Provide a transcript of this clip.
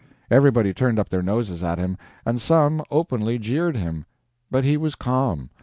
Everybody turned up their noses at him, and some openly jeered him. But he was calm.